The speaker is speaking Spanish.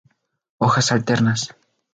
Hojas alternas.